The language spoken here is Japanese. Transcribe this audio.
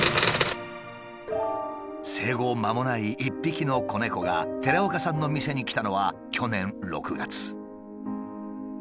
生後まもない一匹の子猫が寺岡さんの店に来たのは去年６月。